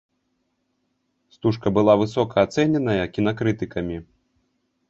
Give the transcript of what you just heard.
Стужка была высока ацэненая кінакрытыкамі.